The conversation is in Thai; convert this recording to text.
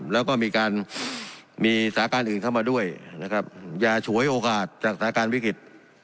แล้วก็มีสถาบันอื่นเข้ามาด้วยอย่าฉวยโอกาสจากสถาบันวิกฤต